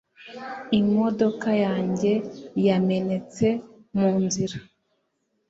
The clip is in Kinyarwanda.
Imodoka yanjye yamenetse mu nzira